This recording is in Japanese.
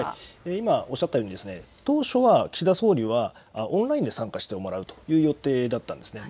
今おっしゃったように当初は岸田総理はオンラインで参加してもらうという予定だったんですね。